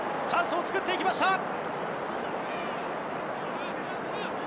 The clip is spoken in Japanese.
チャンスを作っていきました。